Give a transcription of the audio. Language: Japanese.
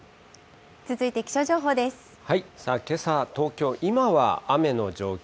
けさは東京、今は雨の状況